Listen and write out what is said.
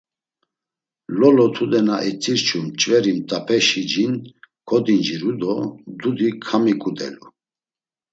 Lolo, tude na etzirçu ç̌veri mt̆alepeşi jin kodinciru do dudi kamiǩudelu.